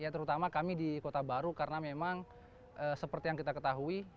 terutama kami di kota baru karena memang seperti yang kita ketahui